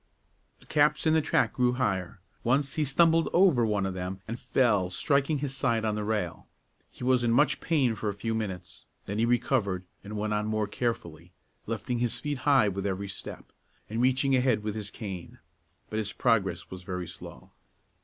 The caps in the track grew higher; once he stumbled over one of them and fell, striking his side on the rail. He was in much pain for a few minutes; then he recovered and went on more carefully, lifting his feet high with every step, and reaching ahead with his cane. But his progress was very slow.